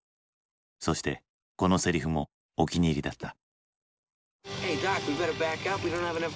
そしてこのセリフもお気に入りだった。